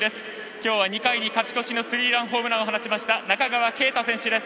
今日は、２回に勝ち越しのスリーランホームランを放ちました中川圭太選手です。